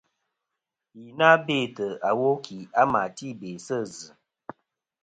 Yi na bêtɨ iwo kì a ma ti be sɨ zɨ.